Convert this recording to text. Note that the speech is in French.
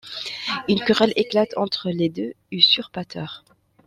Une querelle éclate entre les deux usurpateurs.